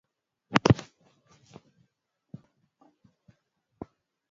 eneo la nyanda za juu kusini ni kivutio kikubwa cha utalii